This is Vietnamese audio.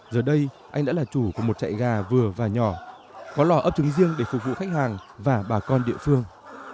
giờ đây anh đã là chủ của một chạy gà vừa và nhỏ có lò ấp trứng riêng để phục vụ khách hàng và bà con địa phương